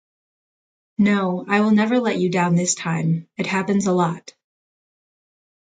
No, I will never let you down this time, it happens a lot.